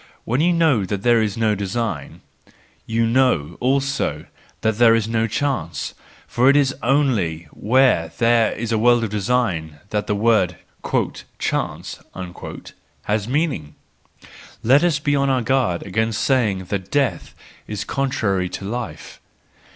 When you know that there is no design, you know THE JOYFUL WISDOM, III 153 also that there is no chance: for it is only where there is a world of design that the word ££ chance " has a meaning. Let us be on our guard against saying that death is contrary to life.